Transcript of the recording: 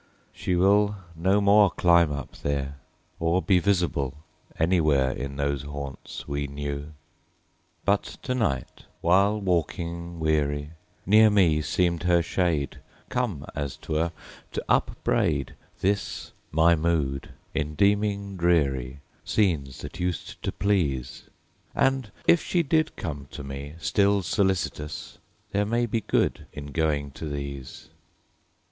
She will no more climb up there, Or be visible anywhere In those haunts we knew." But to night, while walking weary, Near me seemed her shade, Come as 'twere to upbraid This my mood in deeming dreary Scenes that used to please; And, if she did come to me, Still solicitous, there may be Good in going to these.